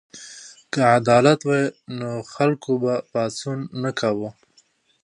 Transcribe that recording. که عدالت وای نو خلکو به پاڅون نه کاوه.